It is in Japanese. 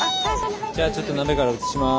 じゃあちょっと鍋から移します。